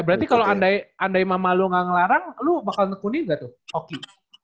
berarti kalo andai andai mama lu ga ngelarang lu bakal tekuni ga tuh hoki